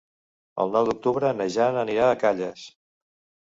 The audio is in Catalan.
El nou d'octubre na Jana anirà a Calles.